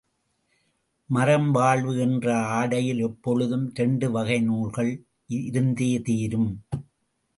மறம் வாழ்வு என்ற ஆடையில் எப்பொழுதும் இரண்டு வகை நூல்கள் இருந்தே தீரும்.